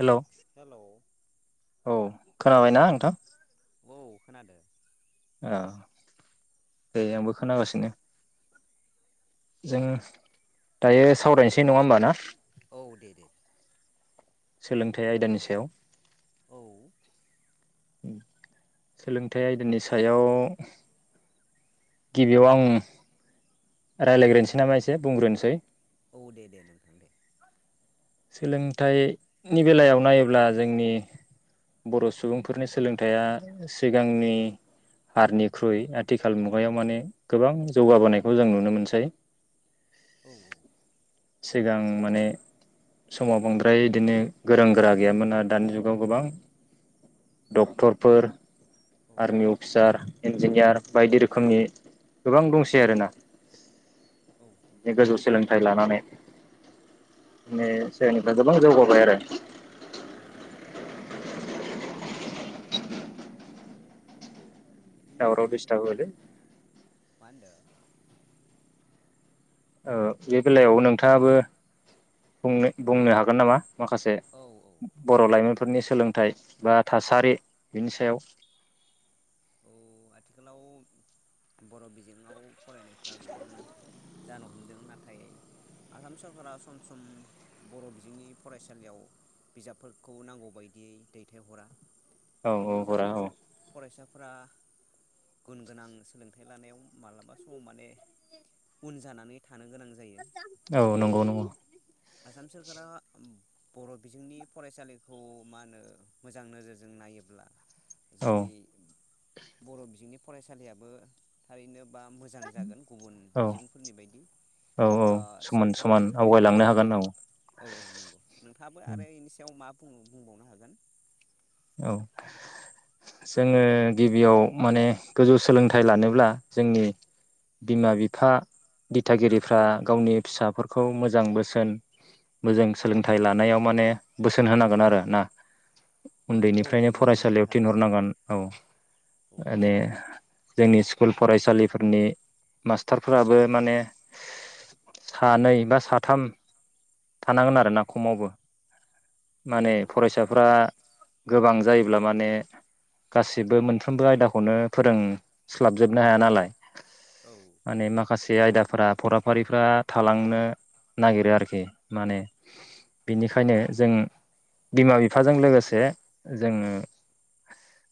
Hello hello औ। खोनाबायना नोंथां? औ खोनादों। ओ दे आंबो खोनागासिनो। जों दायो औ औ सावरायनोसै नङा होमबा ना औ दे दे सोलोंथाइ आयदानि सायाव उम सोलोंथाइ आयदानि सायाव गिबियाव आं रायज्लायग्रोनोसै नामा एसे बुंग्रोनोसै? औ दे दे नोंथां दे सोलोंथाइनि बेलायाव नायोब्ला जोंनि बर सुबुंफोरनि सोलोंथाइया सिगांनि हारनिख्रुइ आथिखाल मुगायाव माने गोबां जौगाबोनायखौ जों नुनो मोनसै औ औ सिगां माने समाव बांद्राय बिदिनो गोरों गोरा गैयामोन आरो दानि जुगाव गोबां डक्टरफोर औ आर्मि अफिसार इन्जिनियार बायदि रोखोमनि गोबां दंसै आरोना? औ बे गोजौ सोलोंथा फ्राय लानानै ने निफ्राय गोबां जौगाबाय आरो नंगौ नंगौ बिदिनो दावराव दिस्थाब आथिखालाव होबायदे मा होनदों? ओ बे बेलायाव नोंथाङाबो बुंनो बुंनो हागोन नामा? माखासे औ औ बर लाइमोनफोरनि सोलोंथाइ बा थासारि बिनि सायाव औ आथिखालाव बर बिजोङाव फरायनायफ्रा गोबां जानो हमदों नाथाय आसाम सरकारा सम सम बर बिजोंनि फरायसालियाव बिजाबफोरखौ नांगौ बायदियै दैथायहरा औ औ बिनि हरा औ जाहोनाव फरायसा फोरा गुन गोनां सोलोंथाइ लानायाव मालाबा समाव माने उन जानानै थानो गोनां ज औ नंगौ नंगौ आसाम सोरखारा बर बिजोंनि फरायसालिखौ मा होनो मोजां नोजोरजों नायोब्ला औ जोंनि बर बिजोंनि फरायसालियाबो थारैनो बा मोजां जागोन गुबुन औ बिजोंफोरनि बायदि औ औ ओ समान सोलोंथाइ समान लानो हानायाव आवगायलांनो गोजौ हागोन औ औ औ नंगौ नोंथाङाबो आरो बेनि सायाव मा? बुं बुंबावनो हागोन औ जोङो गिबियाव माने गोजौ सोलोंथाइ लानोब्ला जोंनि बिमा बिफा दिथागिरिफ्रा गावनि फिसाफोरखौ मोजां बोसोन मोजां सोलोंथाइ लानायाव माने बोसोन होनांगोन आरो ना औ औ उन्दैनिफ्रायनो नंगौ नंगौ फरायसालियाव थारैनो थिनहरनांगोन औ औ माने जोंनि स्कुल फरायसालिफोरनि मास्टारफोराबो माने सानै बा साथाम थानांगोन आरोना खमावबो माने नंगौ थार फरायसाफ्रा गोबां जायोब्ला माने गासिबो मोनफ्रोमबो आयदाखौनो फोरोंस्लाबजोबनो हाया नालाय औ माने माखासे बे आयदाफ्रा फराफारिफ्रा थालांनो नागिरो आरोखि माने बिनिखायनो जों बिमा बिफाजों लोगोसे जोङो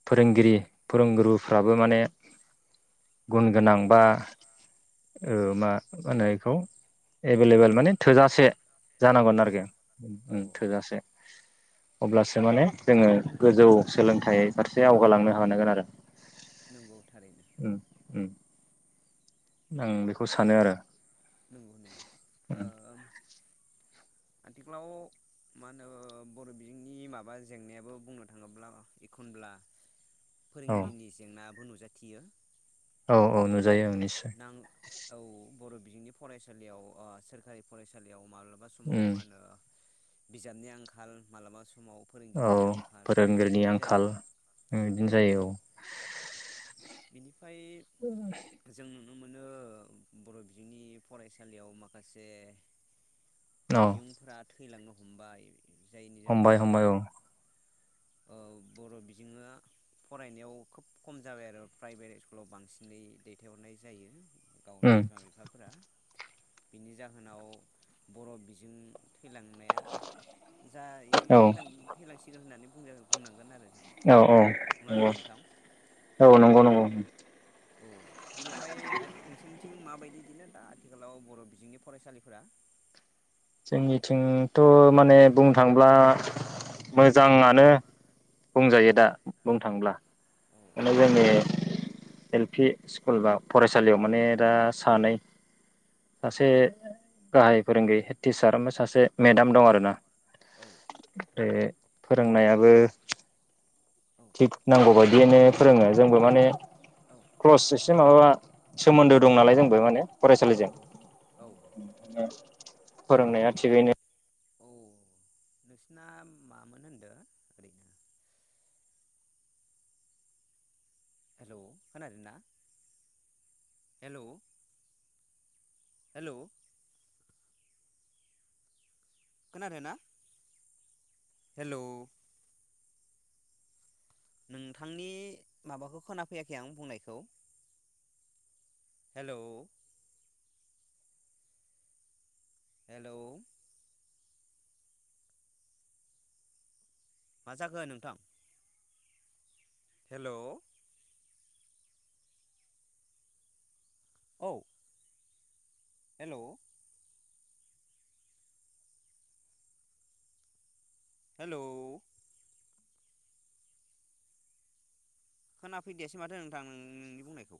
फोरोंगिरि फोरोंगुरुफ्राबो माने गुन गोनां बा ओ मा माहोनो बेखौ? एभेलेबेल माने थोजासे ओं जानांगोन आरोखि बिजाब औ उम औ थोजासे अब्लासो माने जोङो गोजौ सोलोंथाइ फारसे आवगालांनो हानांगोन आरो नंगौ थारैनो उम उम आं बेखौ सानो आरो नंगौ नंगौ ओ ओम आथिखालाव मा होनो बर' बिजोंनि माबा जेंनायाबो बुंनो थाङोब्ला एखनब्ला औ फोरोंगिरिनि जेंना बो नुजाथियो औ औ नुजा नों औ बर' बिजोंनि फरायसालियाव सोरखारि फरायसालियाव माब्लाबा समाव उम मा होनो बिजाबनि आंखाल मालाबा स औ फोरोंगिरिनि जायो आंखाल बिदिनो जायो औ बिनि फ्राय जों नुनो मोनो बर' बिजोंनि फरायसालियाव माखासे औ औ बिजोंफोराथ' थैलांनो हमबाय जायनि हमबाय जाहोनाव हमबाय औ ओ बर' बिजोङाव फरायनायाव खोब खम जाबाय आरो प्राइभेट स्कुलाव बांसिनै दैथायहरनाय जायो गाव उम बिमा बिफाफोरा बिनि जाहोनाव बर' बिजों थैलांनाया जा बिदिनो औ थैलांसिगोन होननानै ओ बुंनांगोन आरो जों औ औ नङा होनबा नोंथां नंगौ औ नंगौ नंगौ [inaudible] औ बिनिफ्राय नोंसोरनि थिं माबायदि बिदिनो दा आथिखालाव बर' बिजोंनि फरायसालिफोरा? जोंनिथिंथ' माने बुंनो थांब्ला मोजाङानो बुंजायो दा बुंनो थाङोब्ला औ माने जोंनि एल पि स्कुल बा फरायसालियाव माने दा सानै सासे औ गाहाय फोरोंगिरि हेत टिचार ओमफखय सासे मेदाम दं आरो ना औ बे फोरोंनायाबो औ थिग नांगौ बायदियैनो फोरोङो जोंबो माने औ क्ल'स एसे माबा सोमोन्दो दं नालाय जोंबो माने फरायसालिजों। औ औ औ बेनिफ्राय फोरोंनाया थिगैनो औ नोंसिना मामोन होनदो ओरैनो? हेलौ खोनादोना हेलौ? हेलौ खोनादोना? हेलौ नोंथांनि माबाखौ खोनाफैयाखै आं बुंनायखौ। हेलौ हेलौ मा जाखो नोंथां? हेलौ औ हेलौ हेलौ खोनाफैदिआसै माथो नोंथां नों-नोंनि बुंनायखौ।